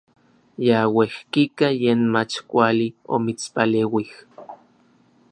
Ya uejkika yen mach kuali omitspaleuij.